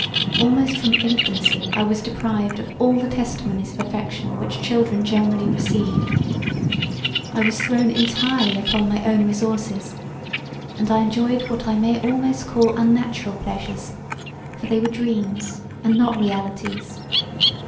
Almost from infancy I was deprived of all the testimonies of affection which children generally receive; I was thrown entirely upon my own resources, and I enjoyed what I may almost call unnatural pleasures, for they were dreams and not realities.